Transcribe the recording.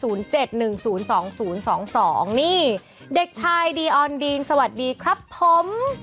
นี่เด็กชายดีออนดีนสวัสดีครับผม